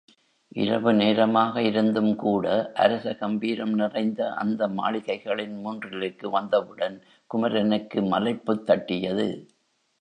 இரவு நேரமாக இருந்துங்கூட அரச கம்பீரம் நிறைந்த அந்த மாளிகைகளின் முன்றிலுக்கு வந்தவுடன் குமரனுக்கு மலைப்புத் தட்டியது.